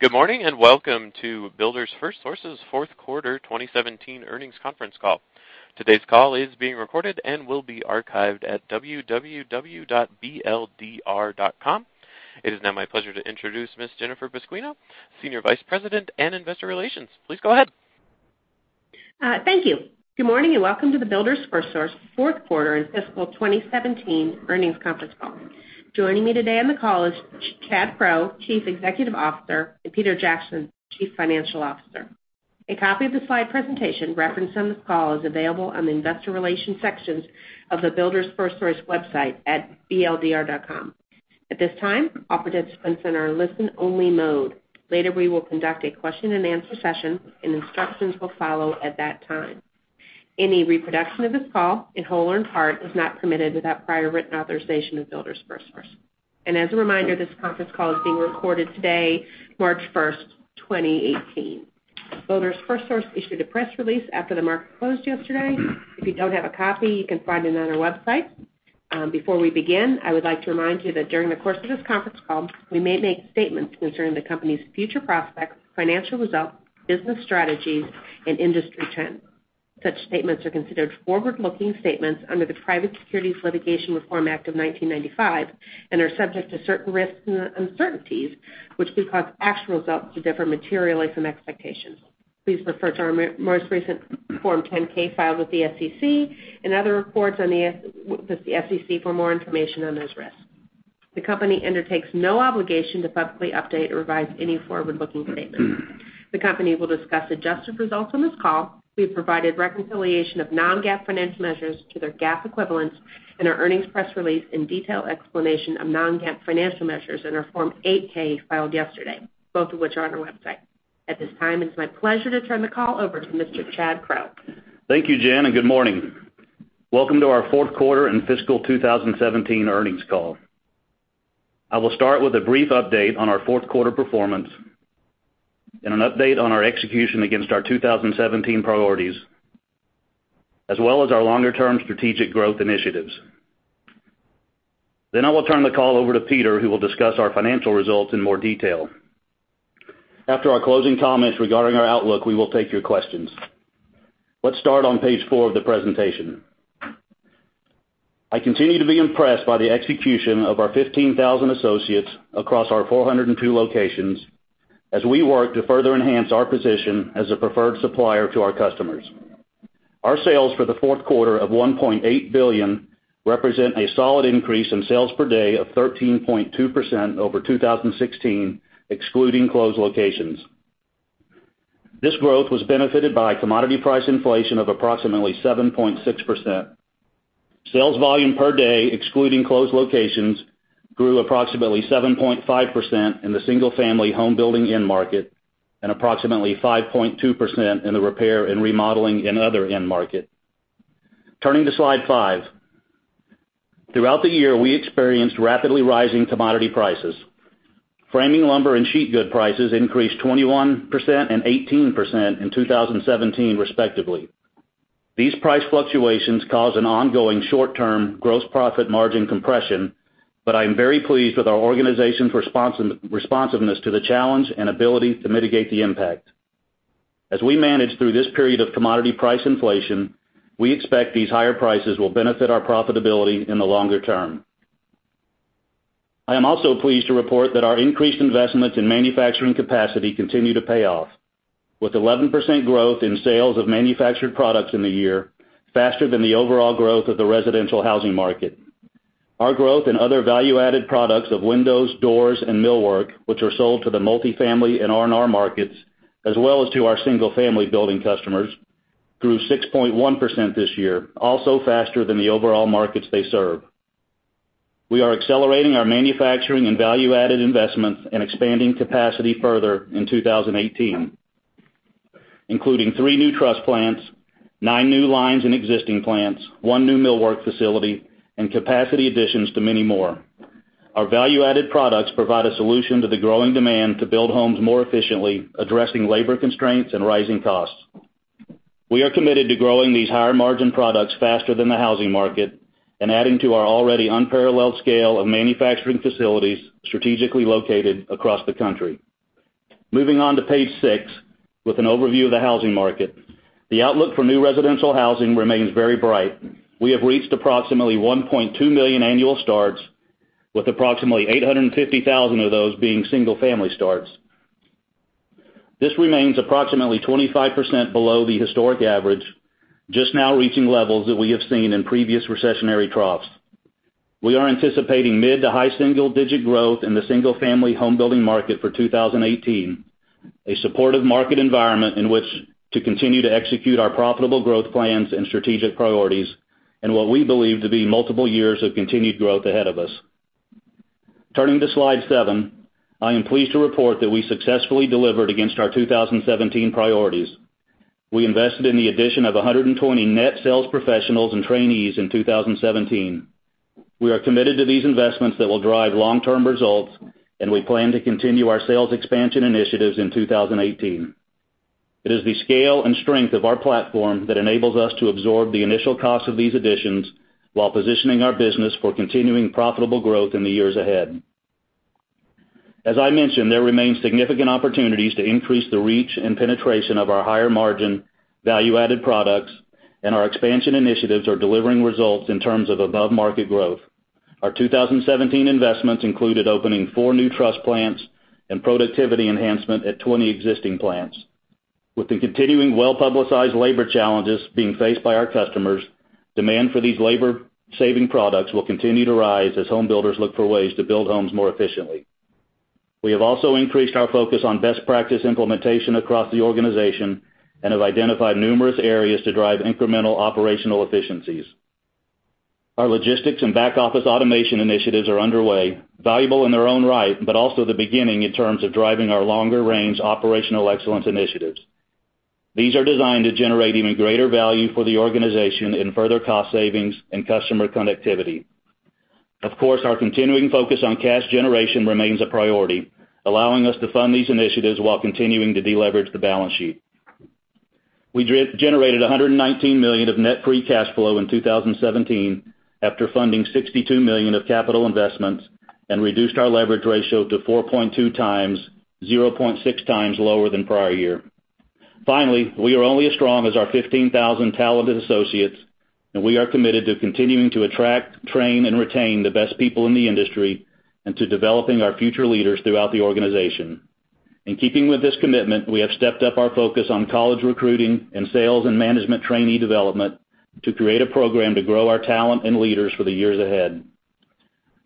Good morning. Welcome to Builders FirstSource's fourth quarter 2017 earnings conference call. Today's call is being recorded and will be archived at bldr.com. It is now my pleasure to introduce Ms. Jennifer Pasquino, Senior Vice President and Investor Relations. Please go ahead. Thank you. Good morning. Welcome to the Builders FirstSource fourth quarter and fiscal 2017 earnings conference call. Joining me today on the call is Chad Crow, Chief Executive Officer, and Peter Jackson, Chief Financial Officer. A copy of the slide presentation referenced on this call is available on the investor relations sections of the Builders FirstSource website at bldr.com. At this time, all participants are in listen-only mode. Later, we will conduct a question-and-answer session. Instructions will follow at that time. Any reproduction of this call, in whole or in part, is not permitted without prior written authorization of Builders FirstSource. As a reminder, this conference call is being recorded today, March 1st, 2018. Builders FirstSource issued a press release after the market closed yesterday. If you don't have a copy, you can find it on our website. Before we begin, I would like to remind you that during the course of this conference call, we may make statements concerning the company's future prospects, financial results, business strategies, and industry trends. Such statements are considered forward-looking statements under the Private Securities Litigation Reform Act of 1995 and are subject to certain risks and uncertainties, which could cause actual results to differ materially from expectations. Please refer to our most recent Form 10-K filed with the SEC and other reports with the SEC for more information on those risks. The company undertakes no obligation to publicly update or revise any forward-looking statements. The company will discuss adjusted results on this call. We've provided reconciliation of non-GAAP financial measures to their GAAP equivalents in our earnings press release and detailed explanation of non-GAAP financial measures in our Form 8-K filed yesterday, both of which are on our website. At this time, it's my pleasure to turn the call over to Mr. Chad Crow. Thank you, Jen, and good morning. Welcome to our fourth quarter and fiscal 2017 earnings call. I will start with a brief update on our fourth quarter performance and an update on our execution against our 2017 priorities, as well as our longer-term strategic growth initiatives. I will turn the call over to Peter, who will discuss our financial results in more detail. After our closing comments regarding our outlook, we will take your questions. Let's start on page four of the presentation. I continue to be impressed by the execution of our 15,000 associates across our 402 locations as we work to further enhance our position as a preferred supplier to our customers. Our sales for the fourth quarter of $1.8 billion represent a solid increase in sales per day of 13.2% over 2016, excluding closed locations. This growth was benefited by commodity price inflation of approximately 7.6%. Sales volume per day, excluding closed locations, grew approximately 7.5% in the single-family home building end market and approximately 5.2% in the repair and remodeling and other end market. Turning to slide five. Throughout the year, we experienced rapidly rising commodity prices. Framing lumber and sheet goods prices increased 21% and 18% in 2017, respectively. These price fluctuations cause an ongoing short-term gross profit margin compression. I am very pleased with our organization's responsiveness to the challenge and ability to mitigate the impact. As we manage through this period of commodity price inflation, we expect these higher prices will benefit our profitability in the longer term. I am also pleased to report that our increased investments in manufacturing capacity continue to pay off, with 11% growth in sales of manufactured products in the year, faster than the overall growth of the residential housing market. Our growth in other value-added products of windows, doors, and millwork, which are sold to the multifamily and R&R markets, as well as to our single-family building customers, grew 6.1% this year, also faster than the overall markets they serve. We are accelerating our manufacturing and value-added investments and expanding capacity further in 2018, including three new truss plants, nine new lines in existing plants, one new millwork facility, and capacity additions to many more. Our value-added products provide a solution to the growing demand to build homes more efficiently, addressing labor constraints and rising costs. We are committed to growing these higher-margin products faster than the housing market and adding to our already unparalleled scale of manufacturing facilities strategically located across the country. Moving on to page six with an overview of the housing market. The outlook for new residential housing remains very bright. We have reached approximately 1.2 million annual starts with approximately 850,000 of those being single-family starts. This remains approximately 25% below the historic average, just now reaching levels that we have seen in previous recessionary troughs. We are anticipating mid- to high single-digit growth in the single-family home building market for 2018, a supportive market environment in which to continue to execute our profitable growth plans and strategic priorities and what we believe to be multiple years of continued growth ahead of us. Turning to slide seven, I am pleased to report that we successfully delivered against our 2017 priorities. We invested in the addition of 120 net sales professionals and trainees in 2017. We are committed to these investments that will drive long-term results. We plan to continue our sales expansion initiatives in 2018. It is the scale and strength of our platform that enables us to absorb the initial cost of these additions while positioning our business for continuing profitable growth in the years ahead. As I mentioned, there remains significant opportunities to increase the reach and penetration of our higher margin value-added products. Our expansion initiatives are delivering results in terms of above-market growth. Our 2017 investments included opening four new truss plants and productivity enhancement at 20 existing plants. With the continuing well-publicized labor challenges being faced by our customers, demand for these labor-saving products will continue to rise as home builders look for ways to build homes more efficiently. We have also increased our focus on best practice implementation across the organization and have identified numerous areas to drive incremental operational efficiencies. Our logistics and back-office automation initiatives are underway, valuable in their own right, but also the beginning in terms of driving our longer range operational excellence initiatives. These are designed to generate even greater value for the organization in further cost savings and customer connectivity. Of course, our continuing focus on cash generation remains a priority, allowing us to fund these initiatives while continuing to de-leverage the balance sheet. We generated $119 million of net free cash flow in 2017 after funding $62 million of capital investments and reduced our leverage ratio to 4.2 times, 0.6 times lower than prior year. Finally, we are only as strong as our 15,000 talented associates. We are committed to continuing to attract, train, and retain the best people in the industry and to developing our future leaders throughout the organization. In keeping with this commitment, we have stepped up our focus on college recruiting and sales and management trainee development to create a program to grow our talent and leaders for the years ahead.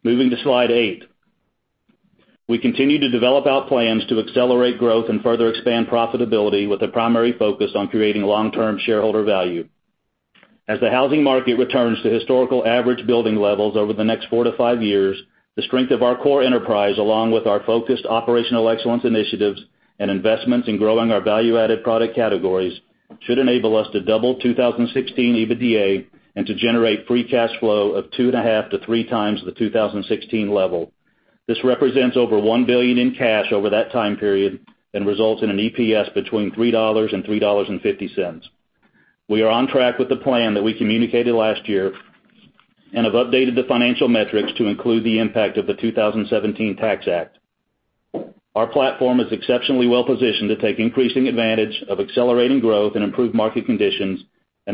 Moving to slide eight. We continue to develop out plans to accelerate growth and further expand profitability with a primary focus on creating long-term shareholder value. As the housing market returns to historical average building levels over the next four to five years, the strength of our core enterprise, along with our focused operational excellence initiatives and investments in growing our value-added product categories, should enable us to double 2016 EBITDA and to generate free cash flow of two and a half to three times the 2016 level. This represents over one billion in cash over that time period and results in an EPS between $3 and $3.50. We are on track with the plan that we communicated last year. We have updated the financial metrics to include the impact of the 2017 Tax Act. Our platform is exceptionally well-positioned to take increasing advantage of accelerating growth and improved market conditions.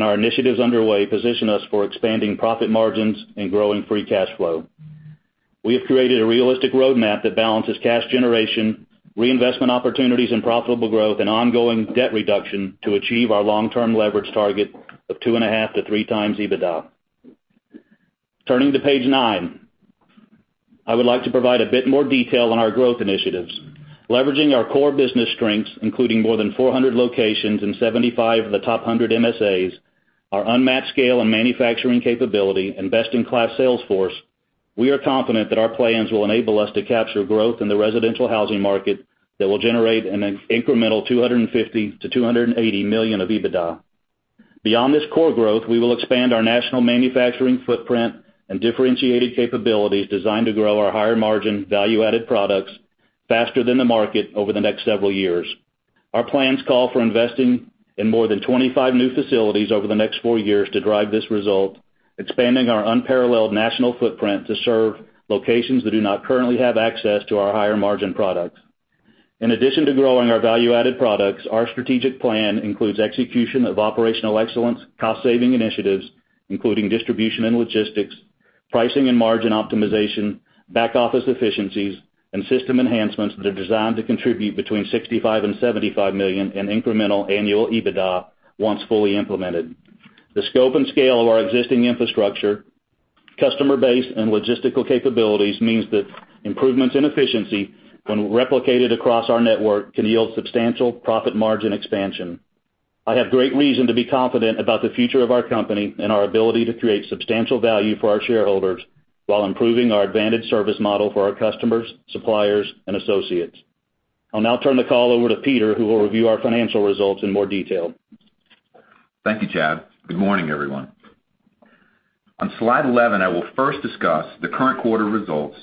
Our initiatives underway position us for expanding profit margins and growing free cash flow. We have created a realistic roadmap that balances cash generation, reinvestment opportunities in profitable growth, and ongoing debt reduction to achieve our long-term leverage target of two and a half to three times EBITDA. Turning to page nine, I would like to provide a bit more detail on our growth initiatives. Leveraging our core business strengths, including more than 400 locations in 75 of the top 100 MSAs, our unmatched scale and manufacturing capability, and best-in-class sales force, we are confident that our plans will enable us to capture growth in the residential housing market that will generate an incremental $250 million-$280 million of EBITDA. Beyond this core growth, we will expand our national manufacturing footprint and differentiated capabilities designed to grow our higher margin value-added products faster than the market over the next several years. Our plans call for investing in more than 25 new facilities over the next four years to drive this result, expanding our unparalleled national footprint to serve locations that do not currently have access to our higher margin products. In addition to growing our value-added products, our strategic plan includes execution of operational excellence cost-saving initiatives, including distribution and logistics, pricing and margin optimization, back-office efficiencies, and system enhancements that are designed to contribute between $65 million and $75 million in incremental annual EBITDA once fully implemented. The scope and scale of our existing infrastructure, customer base, and logistical capabilities means that improvements in efficiency when replicated across our network can yield substantial profit margin expansion. I have great reason to be confident about the future of our company and our ability to create substantial value for our shareholders while improving our advantage service model for our customers, suppliers, and associates. I'll now turn the call over to Peter, who will review our financial results in more detail. Thank you, Chad. Good morning, everyone. On slide 11, I will first discuss the current quarter results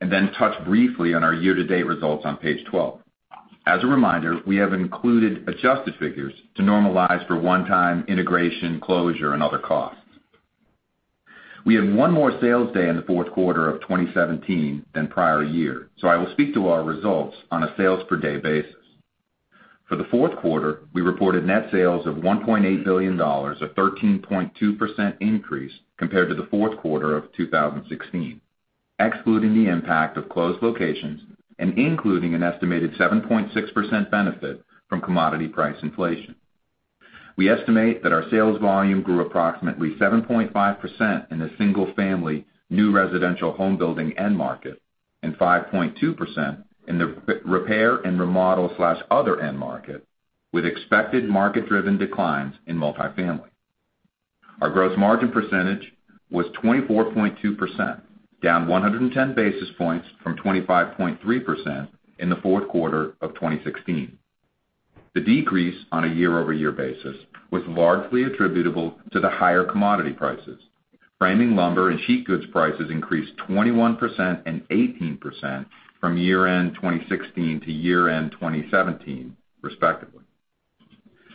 and then touch briefly on our year-to-date results on page 12. As a reminder, we have included adjusted figures to normalize for one-time integration, closure, and other costs. We have one more sales day in the fourth quarter of 2017 than prior year, so I will speak to our results on a sales per day basis. For the fourth quarter, we reported net sales of $1.8 billion, a 13.2% increase compared to the fourth quarter of 2016, excluding the impact of closed locations and including an estimated 7.6% benefit from commodity price inflation. We estimate that our sales volume grew approximately 7.5% in the single family new residential home building end market and 5.2% in the repair and remodel/other end market, with expected market-driven declines in multifamily. Our gross margin % was 24.2%, down 110 basis points from 25.3% in the fourth quarter of 2016. The decrease on a year-over-year basis was largely attributable to the higher commodity prices. framing lumber and sheet goods prices increased 21% and 18% from year-end 2016 to year-end 2017 respectively.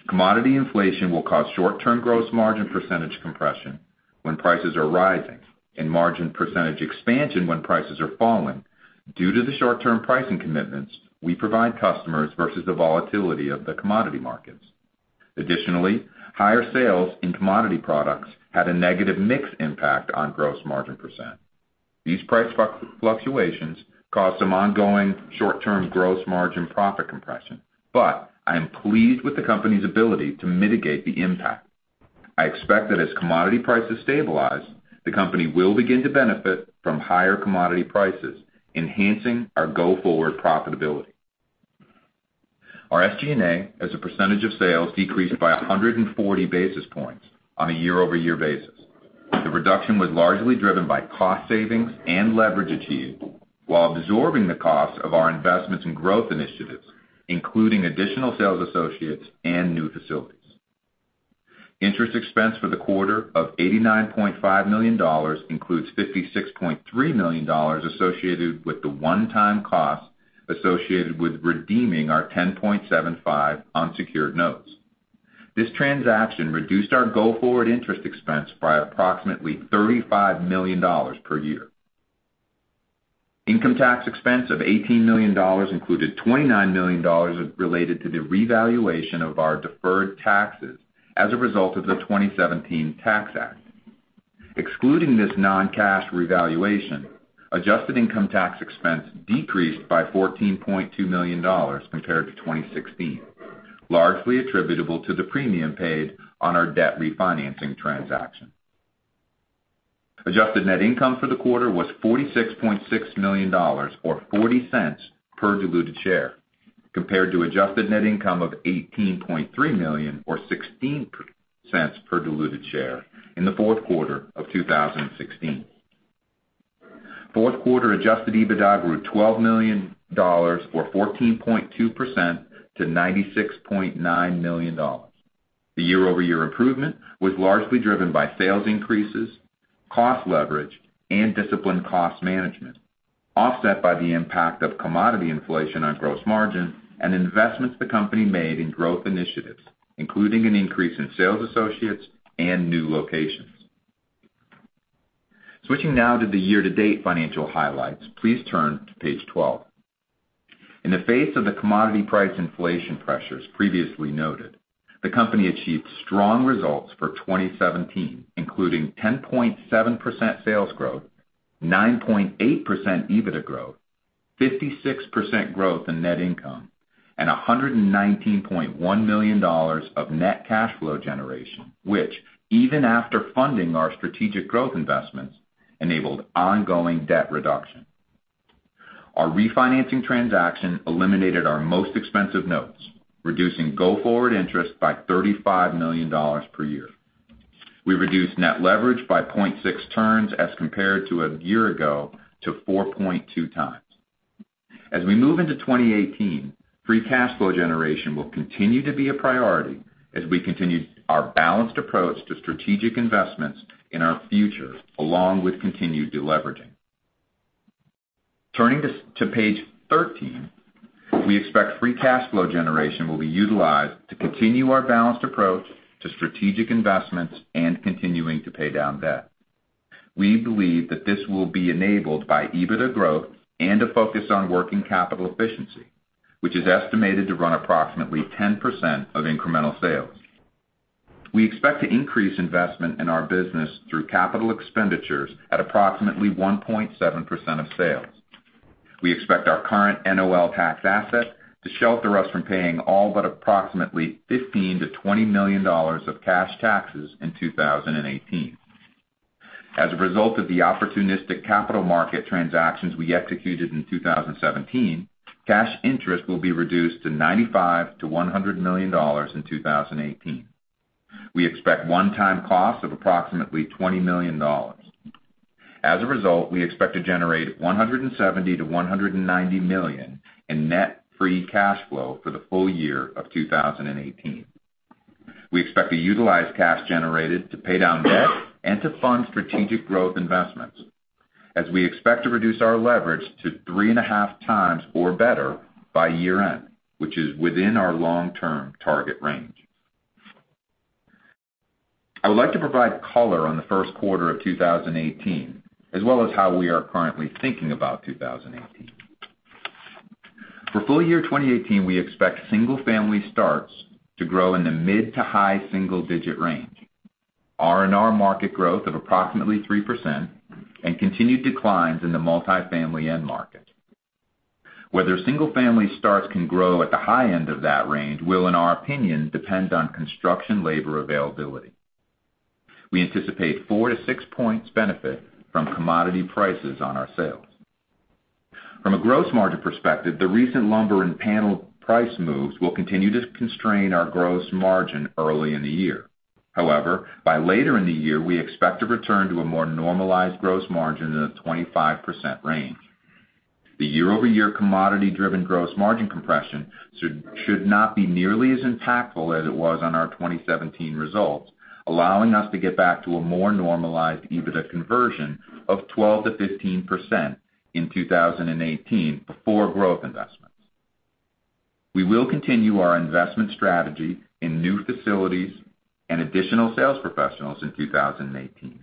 Commodity inflation will cause short-term gross margin % compression when prices are rising and margin % expansion when prices are falling due to the short-term pricing commitments we provide customers versus the volatility of the commodity markets. Additionally, higher sales in commodity products had a negative mix impact on gross margin %. These price fluctuations caused some ongoing short-term gross margin profit compression, but I am pleased with the company's ability to mitigate the impact. I expect that as commodity prices stabilize, the company will begin to benefit from higher commodity prices, enhancing our go-forward profitability. Our SG&A, as a percentage of sales, decreased by 140 basis points on a year-over-year basis. The reduction was largely driven by cost savings and leverage achieved while absorbing the cost of our investments in growth initiatives, including additional sales associates and new facilities. Interest expense for the quarter of $89.5 million includes $56.3 million associated with the one-time cost associated with redeeming our 10.75% unsecured notes. This transaction reduced our go-forward interest expense by approximately $35 million per year. Income tax expense of $18 million included $29 million related to the revaluation of our deferred taxes as a result of the 2017 Tax Act. Excluding this non-cash revaluation, adjusted income tax expense decreased by $14.2 million compared to 2016, largely attributable to the premium paid on our debt refinancing transaction. Adjusted net income for the quarter was $46.6 million or $0.40 per diluted share compared to adjusted net income of $18.3 million or $0.16 per diluted share in the fourth quarter of 2016. Fourth quarter adjusted EBITDA grew $12 million or 14.2% to $96.9 million. The year-over-year improvement was largely driven by sales increases, cost leverage and disciplined cost management, offset by the impact of commodity inflation on gross margin and investments the company made in growth initiatives, including an increase in sales associates and new locations. Switching now to the year-to-date financial highlights, please turn to page 12. In the face of the commodity price inflation pressures previously noted, the company achieved strong results for 2017, including 10.7% sales growth, 9.8% EBITDA growth, 56% growth in net income, and $119.1 million of net cash flow generation, which, even after funding our strategic growth investments, enabled ongoing debt reduction. Our refinancing transaction eliminated our most expensive notes, reducing go-forward interest by $35 million per year. We reduced net leverage by 0.6 turns as compared to a year ago to 4.2 times. As we move into 2018, free cash flow generation will continue to be a priority as we continue our balanced approach to strategic investments in our future along with continued deleveraging. Turning to page 13, we expect free cash flow generation will be utilized to continue our balanced approach to strategic investments and continuing to pay down debt. We believe that this will be enabled by EBITDA growth and a focus on working capital efficiency, which is estimated to run approximately 10% of incremental sales. We expect to increase investment in our business through capital expenditures at approximately 1.7% of sales. We expect our current NOL tax asset to shelter us from paying all but approximately $15 million to $20 million of cash taxes in 2018. As a result of the opportunistic capital market transactions we executed in 2017, cash interest will be reduced to $95 million to $100 million in 2018. We expect one-time costs of approximately $20 million. As a result, we expect to generate $170 million to $190 million in net free cash flow for the full year of 2018. We expect to utilize cash generated to pay down debt and to fund strategic growth investments as we expect to reduce our leverage to 3.5 times or better by year-end, which is within our long-term target range. I would like to provide color on the first quarter of 2018 as well as how we are currently thinking about 2018. For full year 2018, we expect single-family starts to grow in the mid-to-high single-digit range, R&R market growth of approximately 3%, and continued declines in the multifamily end market. Whether single-family starts can grow at the high end of that range will in our opinion depend on construction labor availability. We anticipate four to six points benefit from commodity prices on our sales. From a gross margin perspective, the recent lumber and panel price moves will continue to constrain our gross margin early in the year. By later in the year, we expect to return to a more normalized gross margin in the 25% range. The year-over-year commodity-driven gross margin compression should not be nearly as impactful as it was on our 2017 results, allowing us to get back to a more normalized EBITDA conversion of 12%-15% in 2018 before growth investments. We will continue our investment strategy in new facilities and additional sales professionals in 2018,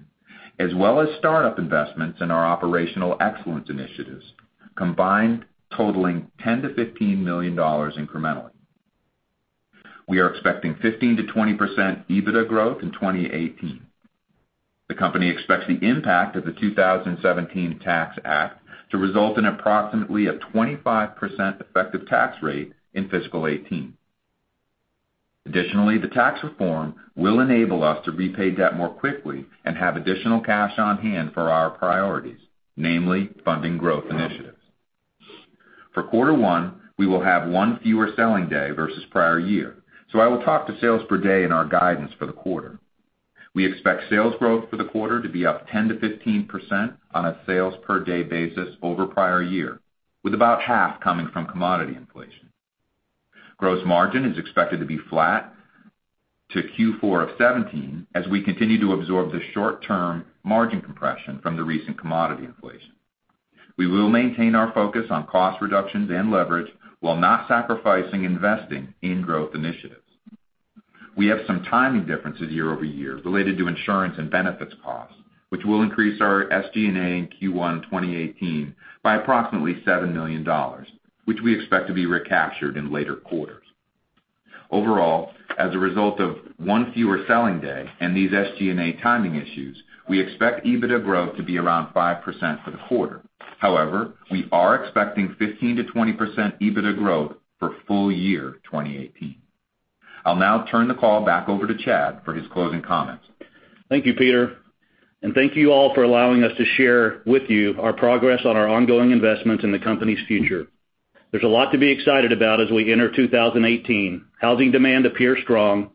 as well as startup investments in our operational excellence initiatives, combined totaling $10 million-$15 million incrementally. We are expecting 15%-20% EBITDA growth in 2018. The company expects the impact of the 2017 Tax Act to result in approximately a 25% effective tax rate in fiscal 2018. The tax reform will enable us to repay debt more quickly and have additional cash on hand for our priorities, namely funding growth initiatives. For quarter one, we will have one fewer selling day versus prior year, so I will talk to sales per day in our guidance for the quarter. We expect sales growth for the quarter to be up 10%-15% on a sales per day basis over prior year, with about half coming from commodity inflation. Gross margin is expected to be flat to Q4 2017 as we continue to absorb the short-term margin compression from the recent commodity inflation. We will maintain our focus on cost reductions and leverage while not sacrificing investing in growth initiatives. We have some timing differences year-over-year related to insurance and benefits costs, which will increase our SG&A in Q1 2018 by approximately $7 million, which we expect to be recaptured in later quarters. As a result of one fewer selling day and these SG&A timing issues, we expect EBITDA growth to be around 5% for the quarter. We are expecting 15%-20% EBITDA growth for full year 2018. I'll now turn the call back over to Chad for his closing comments. Thank you, Peter, and thank you all for allowing us to share with you our progress on our ongoing investments in the company's future. There's a lot to be excited about as we enter 2018. Housing demand appears strong,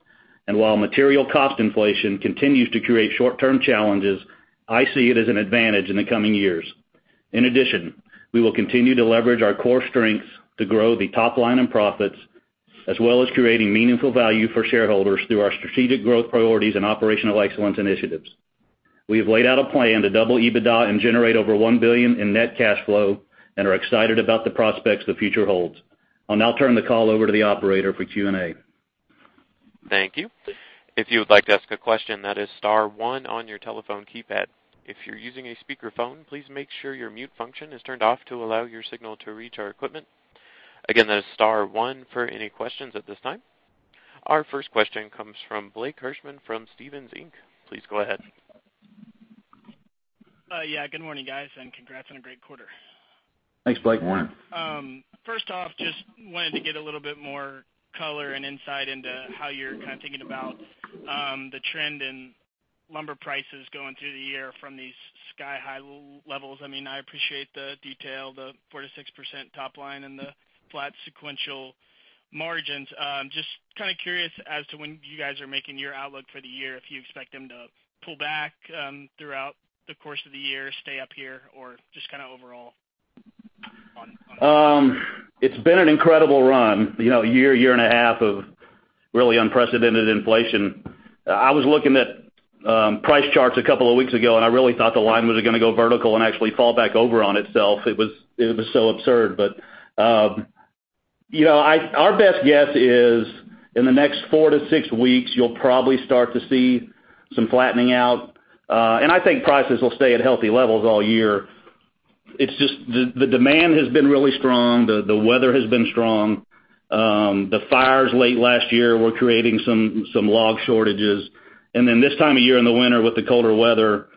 and while material cost inflation continues to create short-term challenges, I see it as an advantage in the coming years. We will continue to leverage our core strengths to grow the top line and profits, as well as creating meaningful value for shareholders through our strategic growth priorities and operational excellence initiatives. We have laid out a plan to double EBITDA and generate over $1 billion in net cash flow and are excited about the prospects the future holds. I'll now turn the call over to the operator for Q&A. Thank you. If you would like to ask a question, that is star one on your telephone keypad. If you're using a speakerphone, please make sure your mute function is turned off to allow your signal to reach our equipment. Again, that is star one for any questions at this time. Our first question comes from Blake Hirschman from Stephens Inc. Please go ahead. Yeah, good morning, guys, and congrats on a great quarter. Thanks, Blake. Morning. First off, just wanted to get a little bit more color and insight into how you're kind of thinking about the trend in lumber prices going through the year from these sky-high levels. I appreciate the detail, the 4%-6% top line and the flat sequential margins. Just kind of curious as to when you guys are making your outlook for the year, if you expect them to pull back throughout the course of the year, stay up here, or just kind of overall on. It's been an incredible run. A year and a half of really unprecedented inflation. I was looking at price charts a couple of weeks ago. I really thought the line was going to go vertical and actually fall back over on itself. It was so absurd. Our best guess is in the next four to six weeks, you'll probably start to see some flattening out. I think prices will stay at healthy levels all year. It's just the demand has been really strong. The weather has been strong. The fires late last year were creating some log shortages. This time of year in the winter with the colder weather,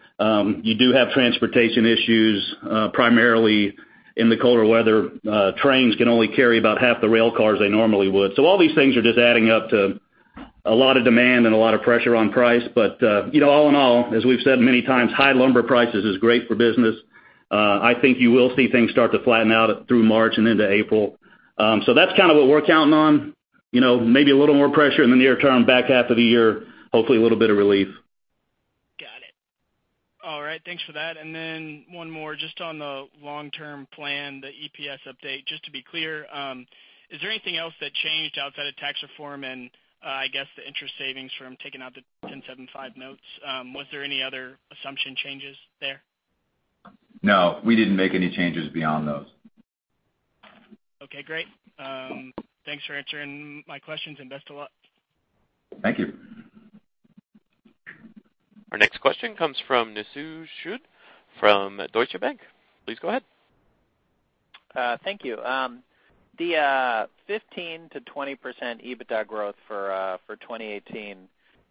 you do have transportation issues primarily in the colder weather. Trains can only carry about half the rail cars they normally would. All these things are just adding up to a lot of demand and a lot of pressure on price. All in all, as we've said many times, high lumber prices is great for business. I think you will see things start to flatten out through March and into April. That's kind of what we're counting on. Maybe a little more pressure in the near term, back half of the year, hopefully a little bit of relief. Got it. All right. Thanks for that. One more just on the long-term plan, the EPS update. Just to be clear, is there anything else that changed outside of tax reform and I guess the interest savings from taking out the 10.75% notes? Was there any other assumption changes there? No. We didn't make any changes beyond those. Okay, great. Thanks for answering my questions and best of luck. Thank you. Our next question comes from Nishu Sood from Deutsche Bank. Please go ahead. Thank you. The 15%-20% EBITDA growth for 2018,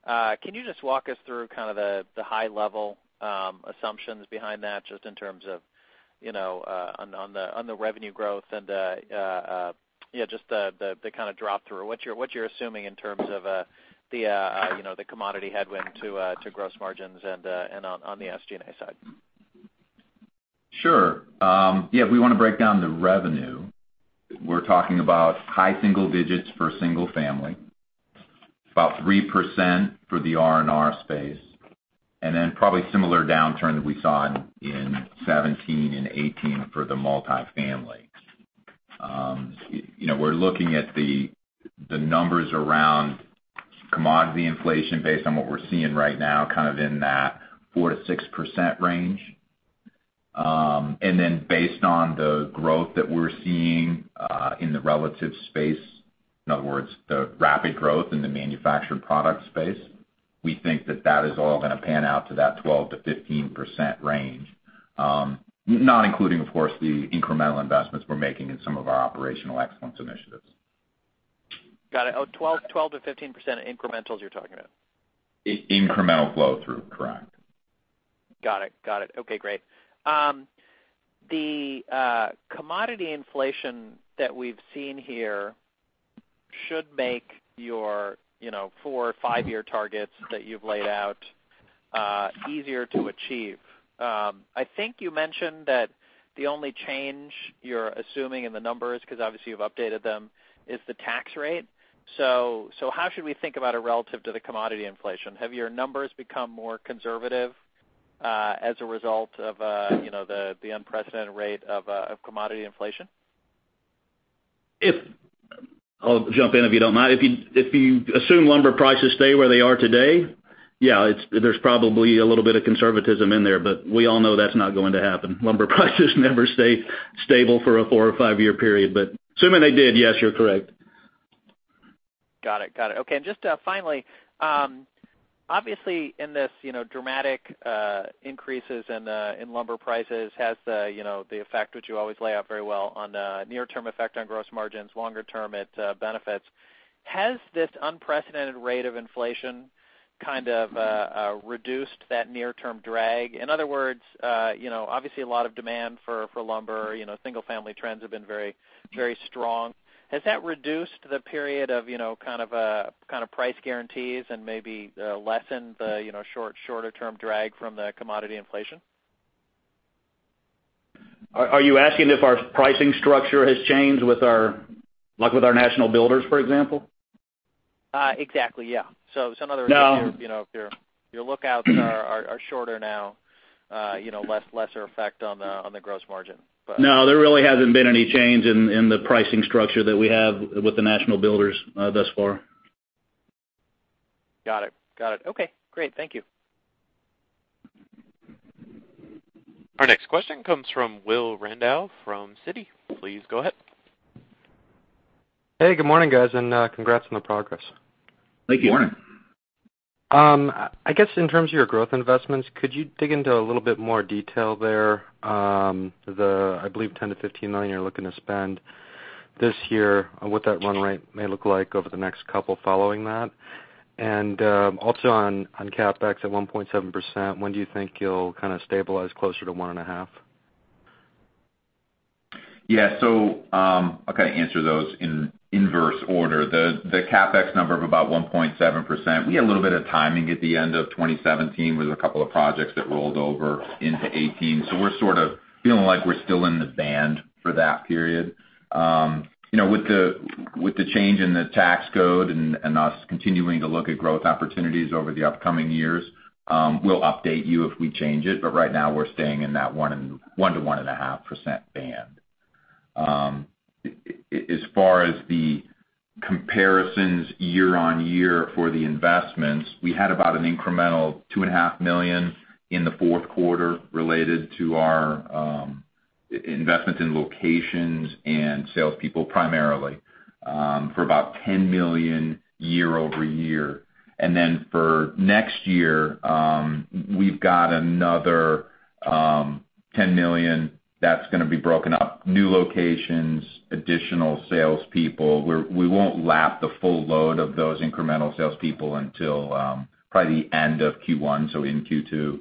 can you just walk us through kind of the high-level assumptions behind that, just in terms of on the revenue growth and just the kind of drop through? What you're assuming in terms of the commodity headwind to gross margins and on the SG&A side? Sure. Yeah, if we want to break down the revenue, we're talking about high single digits for single family. About 3% for the R&R space, probably similar downturn that we saw in 2017 and 2018 for the multifamily. We're looking at the numbers around commodity inflation based on what we're seeing right now, kind of in that 4%-6% range. Based on the growth that we're seeing in the relative space, in other words, the rapid growth in the manufactured product space, we think that that is all going to pan out to that 12%-15% range, not including, of course, the incremental investments we're making in some of our operational excellence initiatives. Got it. Oh, 12%-15% incrementals you're talking about? Incremental flow through. Correct. Got it. Okay, great. The commodity inflation that we've seen here should make your four- or five-year targets that you've laid out easier to achieve. I think you mentioned that the only change you're assuming in the numbers, because obviously you've updated them, is the tax rate. How should we think about it relative to the commodity inflation? Have your numbers become more conservative, as a result of the unprecedented rate of commodity inflation? I'll jump in if you don't mind. If you assume lumber prices stay where they are today, yeah, there's probably a little bit of conservatism in there, but we all know that's not going to happen. Lumber prices never stay stable for a four- or five-year period. Assuming they did, yes, you're correct. Got it. Okay. Just finally, obviously in this dramatic increases in lumber prices has the effect, which you always lay out very well on near-term effect on gross margins, longer-term it benefits. Has this unprecedented rate of inflation kind of reduced that near-term drag? In other words, obviously a lot of demand for lumber, single-family trends have been very strong. Has that reduced the period of kind of price guarantees and maybe lessened the shorter-term drag from the commodity inflation? Are you asking if our pricing structure has changed like with our national builders, for example? Exactly, yeah. In other words- No If your lookouts are shorter now, lesser effect on the gross margin. No, there really hasn't been any change in the pricing structure that we have with the national builders thus far. Got it. Okay, great. Thank you. Our next question comes from Will Randow from Citi. Please go ahead. Hey, good morning, guys, and congrats on the progress. Thank you. Good morning. I guess in terms of your growth investments, could you dig into a little bit more detail there? I believe $10 million-$15 million you're looking to spend this year, what that run rate may look like over the next couple following that. Also on CapEx at 1.7%, when do you think you'll kind of stabilize closer to 1.5%? Yeah. I'll kind of answer those in inverse order. The CapEx number of about 1.7%, we had a little bit of timing at the end of 2017 with a couple of projects that rolled over into 2018. We're sort of feeling like we're still in the band for that period. With the change in the tax code and us continuing to look at growth opportunities over the upcoming years, we'll update you if we change it. Right now, we're staying in that 1%-1.5% band. As far as the comparisons year-over-year for the investments, we had about an incremental $2.5 million in the fourth quarter related to our investments in locations and salespeople, primarily, for about $10 million year-over-year. For next year, we've got another $10 million that's going to be broken up, new locations, additional salespeople. We won't lap the full load of those incremental salespeople until probably the end of Q1, so in Q2.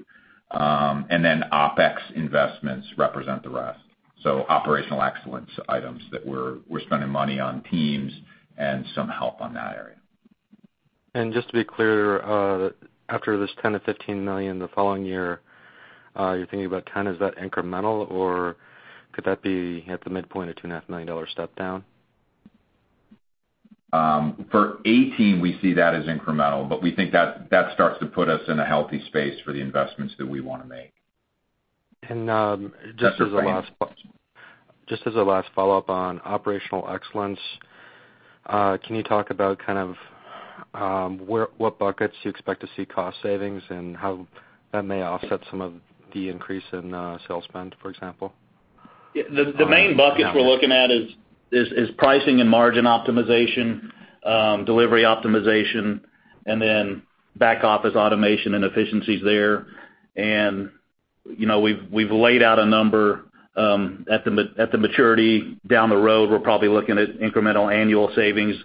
OpEx investments represent the rest. Operational excellence items that we're spending money on teams and some help on that area. Just to be clear, after this $10 million-$15 million the following year, you're thinking about $10 million, is that incremental, or could that be at the midpoint, a $2.5 million step down? For 2018, we see that as incremental, but we think that starts to put us in a healthy space for the investments that we want to make. just as- That's it for me I have a last follow-up on operational excellence, can you talk about kind of what buckets you expect to see cost savings and how that may offset some of the increase in sales spend, for example? The main buckets we're looking at is pricing and margin optimization, delivery optimization, and then back office automation and efficiencies there. We've laid out a number, at the maturity down the road, we're probably looking at incremental annual savings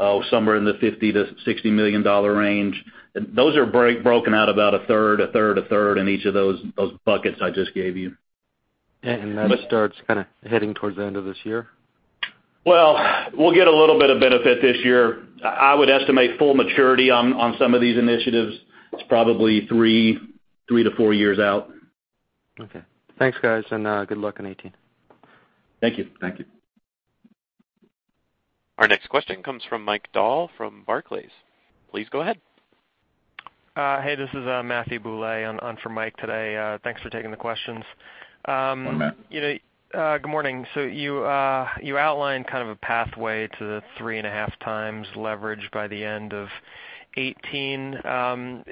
of somewhere in the $50 million-$60 million range. Those are broken out about a third, a third, a third in each of those buckets I just gave you. That starts kind of heading towards the end of this year? Well, we'll get a little bit of benefit this year. I would estimate full maturity on some of these initiatives is probably three to four years out. Okay. Thanks, guys. Good luck in 2018. Thank you. Thank you. Our next question comes from Mike Dahl from Barclays. Please go ahead. Hey, this is Matthew Bouley on for Mike today. Thanks for taking the questions. Go on, Matt. Good morning. You outlined kind of a pathway to the three and a half times leverage by the end of 2018.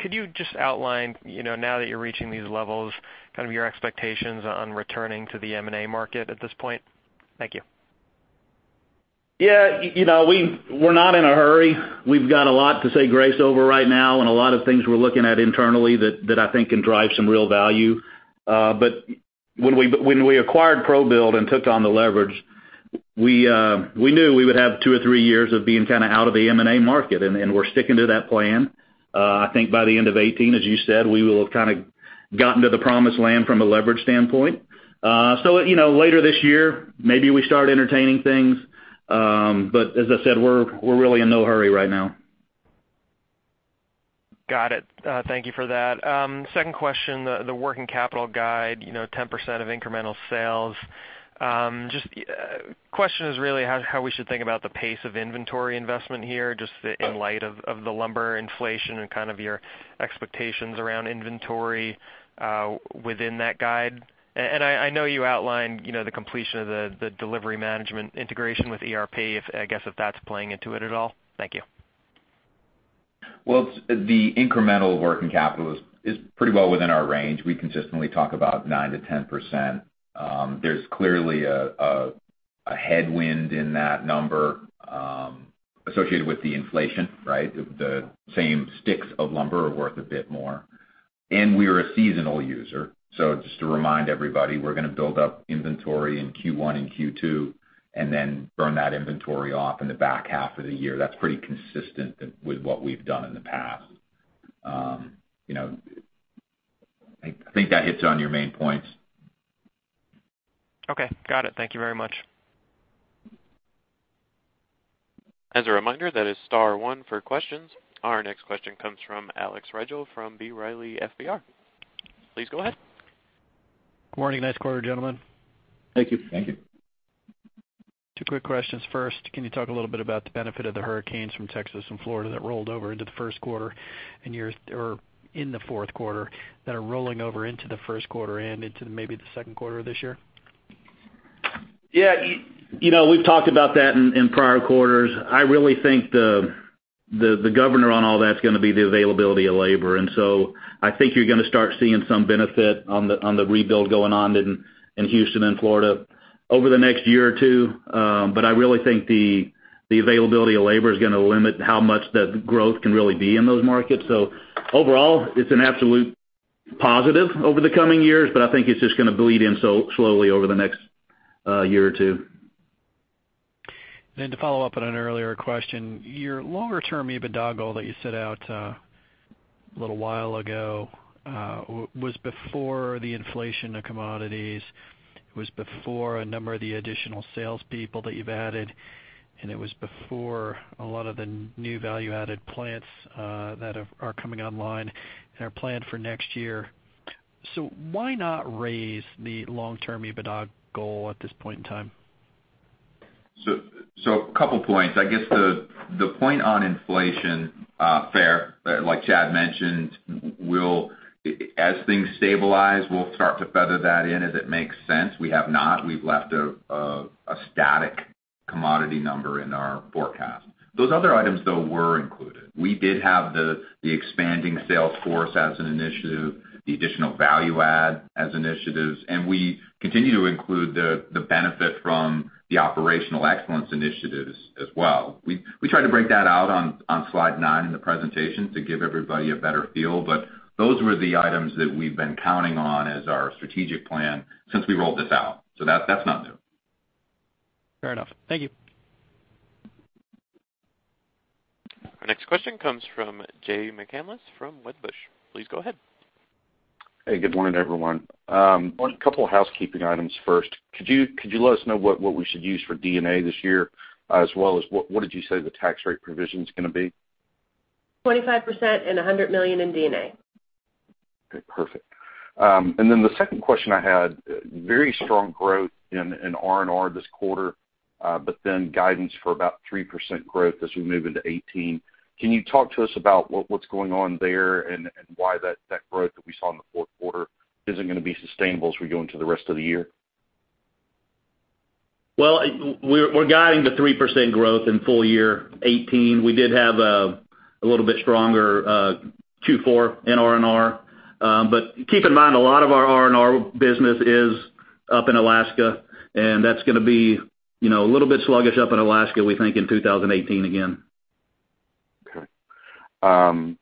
Could you just outline, now that you're reaching these levels, your expectations on returning to the M&A market at this point? Thank you. Yeah. We're not in a hurry. We've got a lot to stay focused on right now and a lot of things we're looking at internally that I think can drive some real value. When we acquired ProBuild and took on the leverage, we knew we would have two or three years of being kind of out of the M&A market, and we're sticking to that plan. I think by the end of 2018, as you said, we will have kind of gotten to the promised land from a leverage standpoint. Later this year, maybe we start entertaining things. As I said, we're really in no hurry right now. Got it. Thank you for that. Second question, the working capital guide, 10% of incremental sales. Question is really how we should think about the pace of inventory investment here, just in light of the lumber inflation and kind of your expectations around inventory within that guide. I know you outlined the completion of the delivery management integration with ERP, I guess, if that's playing into it at all. Thank you. Well, the incremental working capital is pretty well within our range. We consistently talk about 9%-10%. There's clearly a headwind in that number associated with the inflation, right? The same sticks of lumber are worth a bit more. We're a seasonal user, so just to remind everybody, we're going to build up inventory in Q1 and Q2 and then burn that inventory off in the back half of the year. That's pretty consistent with what we've done in the past. I think that hits on your main points. Okay. Got it. Thank you very much. As a reminder, that is star one for questions. Our next question comes from Alex Rygiel from B. Riley FBR. Please go ahead. Good morning. Nice quarter, gentlemen. Thank you. Thank you. Two quick questions. First, can you talk a little bit about the benefit of the hurricanes from Texas and Florida that rolled over into the first quarter, or in the fourth quarter, that are rolling over into the first quarter and into maybe the second quarter of this year? Yeah. We've talked about that in prior quarters. I really think the governor on all that's going to be the availability of labor. I think you're going to start seeing some benefit on the rebuild going on in Houston and Florida over the next year or two. I really think the availability of labor is going to limit how much the growth can really be in those markets. Overall, it's an absolute positive over the coming years, but I think it's just going to bleed in slowly over the next year or two. To follow up on an earlier question, your longer term EBITDA goal that you set out a little while ago, was before the inflation of commodities, was before a number of the additional salespeople that you've added, and it was before a lot of the new value-added plants that are coming online and are planned for next year. Why not raise the long-term EBITDA goal at this point in time? A couple points. I guess the point on inflation, fair. Like Chad mentioned, as things stabilize, we'll start to feather that in as it makes sense. We have not. We've left a static commodity number in our forecast. Those other items, though, were included. We did have the expanding sales force as an initiative, the additional value add as initiatives, and we continue to include the benefit from the operational excellence initiatives as well. We tried to break that out on Slide Nine in the presentation to give everybody a better feel, but those were the items that we've been counting on as our strategic plan since we rolled this out. That's not new. Fair enough. Thank you. Our next question comes from Jay McCanless from Wedbush. Please go ahead. Hey, good morning, everyone. A couple housekeeping items first. Could you let us know what we should use for D&A this year, as well as what did you say the tax rate provision's going to be? 25% and $100 million in D&A. Okay, perfect. The second question I had, very strong growth in R&R this quarter, but then guidance for about 3% growth as we move into 2018. Can you talk to us about what's going on there and why that growth that we saw in the fourth quarter isn't going to be sustainable as we go into the rest of the year? Well, we're guiding to 3% growth in full year 2018. We did have a little bit stronger Q4 in R&R. Keep in mind, a lot of our R&R business is up in Alaska, and that's going to be a little bit sluggish up in Alaska, we think, in 2018 again. Okay.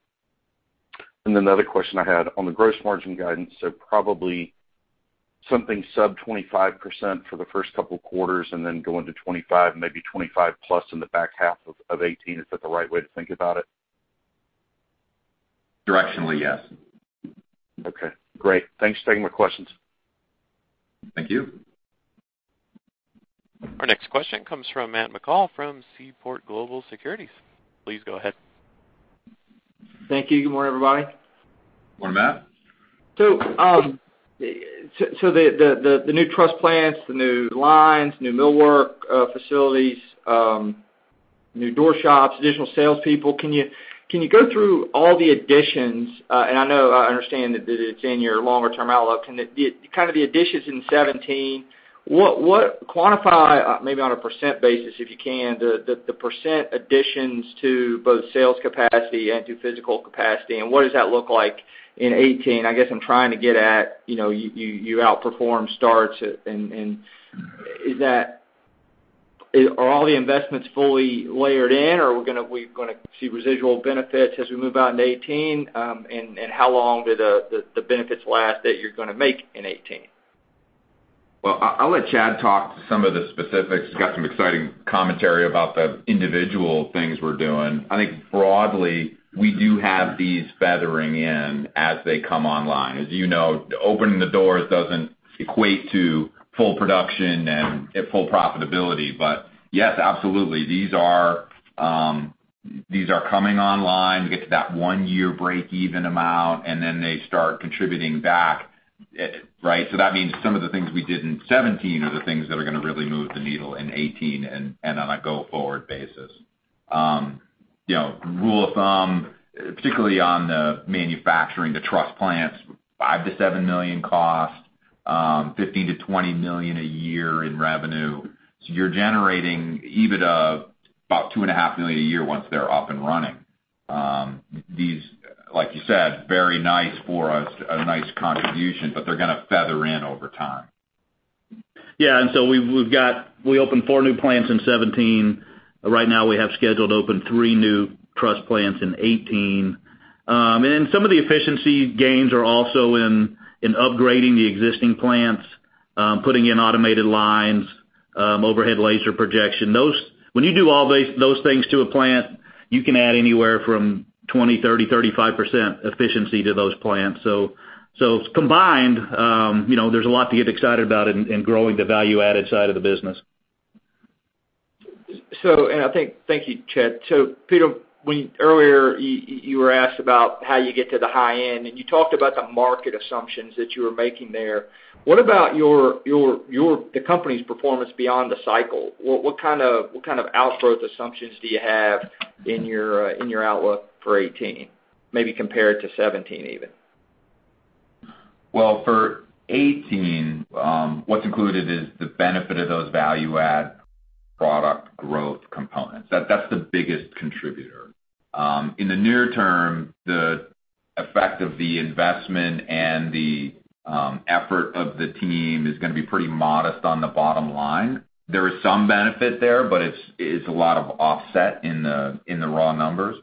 Another question I had. On the gross margin guidance, probably something sub 25% for the first couple quarters and then go into 25%, maybe 25% plus in the back half of 2018. Is that the right way to think about it? Directionally, yes. Okay, great. Thanks for taking my questions. Thank you. Our next question comes from Matt McCall from Seaport Global Securities. Please go ahead. Thank you. Good morning, everybody. Morning, Matt. The new truss plants, the new lines, new millwork facilities, new door shops, additional salespeople, can you go through all the additions? I know, I understand that it's in your longer term outlook. Kind of the additions in 2017, quantify, maybe on a % basis, if you can, the % additions to both sales capacity and to physical capacity, and what does that look like in 2018? I guess I'm trying to get at, you outperformed starts, are all the investments fully layered in, or are we going to see residual benefits as we move out into 2018? How long do the benefits last that you're going to make in 2018? I'll let Chad talk to some of the specifics. He's got some exciting commentary about the individual things we're doing. I think broadly, we do have these feathering in as they come online. As you know, opening the doors doesn't equate to full production and full profitability. Yes, absolutely. These are coming online. We get to that one-year breakeven amount, and then they start contributing back. That means some of the things we did in 2017 are the things that are going to really move the needle in 2018 and on a go-forward basis. Rule of thumb, particularly on the manufacturing, the truss plants, $5 million-$7 million cost, $15 million-$20 million a year in revenue. You're generating EBITDA of about $2.5 million a year once they're up and running. These, like you said, very nice for us, a nice contribution, they're going to feather in over time. We opened four new plants in 2017. Right now, we have scheduled to open three new truss plants in 2018. Some of the efficiency gains are also in upgrading the existing plants, putting in automated lines, overhead laser projection. When you do all those things to a plant, you can add anywhere from 20%, 30%, 35% efficiency to those plants. Combined, there's a lot to get excited about in growing the value-added side of the business. Thank you, Chad. Peter, earlier, you were asked about how you get to the high end, and you talked about the market assumptions that you were making there. What about the company's performance beyond the cycle? What kind of outgrowth assumptions do you have in your outlook for 2018, maybe compared to 2017, even? For 2018, what's included is the benefit of those value-add product growth components. That's the biggest contributor. In the near term, the effect of the investment and the effort of the team is going to be pretty modest on the bottom line. There is some benefit there, but it's a lot of offset in the raw numbers.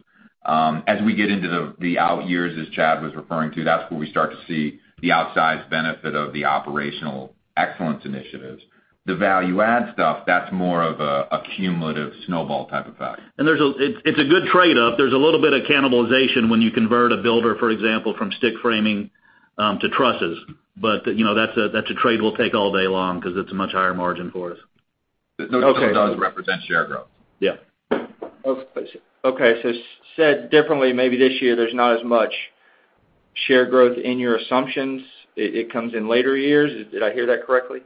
As we get into the out years, as Chad was referring to, that's where we start to see the outsized benefit of the operational excellence initiatives. The value add stuff, that's more of a cumulative snowball type effect. It's a good trade-off. There's a little bit of cannibalization when you convert a builder, for example, from stick framing to trusses. That's a trade we'll take all day long because it's a much higher margin for us. It does represent share growth. Yeah. Said differently, maybe this year, there's not as much share growth in your assumptions. It comes in later years. Did I hear that correctly?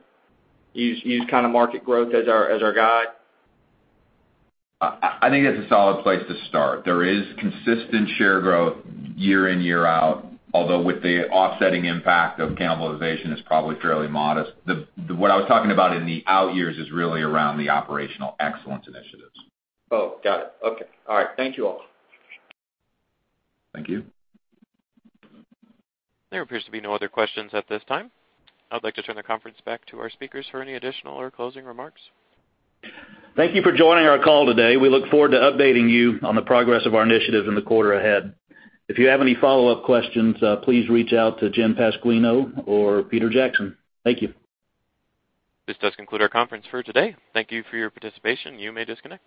Use kind of market growth as our guide? I think it's a solid place to start. There is consistent share growth year in, year out, although with the offsetting impact of cannibalization, it's probably fairly modest. What I was talking about in the out years is really around the operational excellence initiatives. Oh, got it. Okay. All right. Thank you all. Thank you. There appears to be no other questions at this time. I'd like to turn the conference back to our speakers for any additional or closing remarks. Thank you for joining our call today. We look forward to updating you on the progress of our initiative in the quarter ahead. If you have any follow-up questions, please reach out to Jennifer Pasquino or Peter Jackson. Thank you. This does conclude our conference for today. Thank you for your participation. You may disconnect.